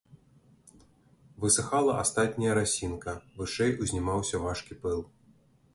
Высыхала астатняя расінка, вышэй узнімаўся важкі пыл.